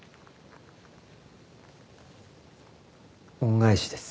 恩返しです。